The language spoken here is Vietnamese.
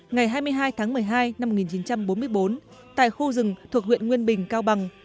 ngày hai mươi hai tháng một mươi hai năm một nghìn chín trăm bốn mươi bốn tại khu rừng thuộc huyện nguyên bình cao bằng